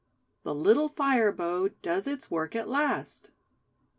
THE LITTLE FIRE BOW DOES ITS WORK AT LAST.